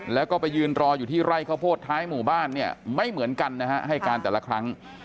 แล้วก็ไปยืนรออยู่ที่ไร่ข้าวโพดท้ายหมู่บ้านเนี่ยไม่เหมือนกันนะฮะให้การแต่ละครั้ง